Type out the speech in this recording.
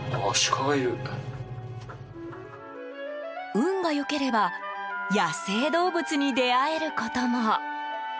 運が良ければ野生動物に出会えることも。